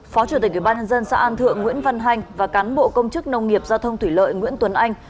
phó chủ tịch ubnd xã an thượng nguyễn văn hanh và cán bộ công chức nông nghiệp giao thông thủy lợi nguyễn tuấn anh